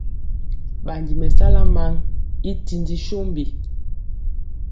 Ɓandi mɛsala maŋ i tindi sombi.